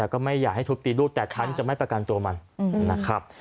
ก็ไม่อยากให้ทุบตีลูกแต่ฉันจะไม่ประกันตัวมันนะครับ